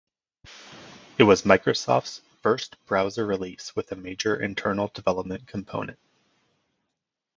It was Microsoft's first browser release with a major internal development component.